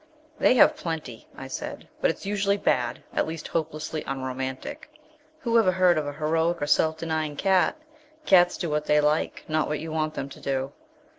"They have plenty," I said, "but it's usually bad at least hopelessly unromantic. Who ever heard of a heroic or self denying cat? Cats do what they like, not what you want them to do."